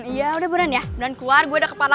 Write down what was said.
ya udah beran ya beran keluar gue udah kepalas